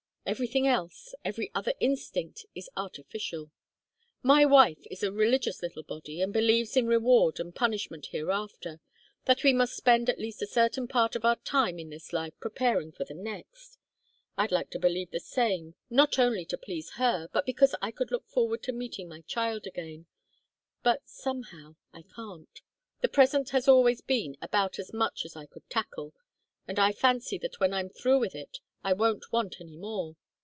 Everything else, every other instinct, is artificial. My wife is a religious little body and believes in reward and punishment hereafter, that we must spend at least a certain part of our time in this life preparing for the next. I'd like to believe the same, not only to please her, but because I could look forward to meeting my child again; but, somehow, I can't. The present has always been about as much as I could tackle. And I fancy that when I'm through with it, I won't want any more.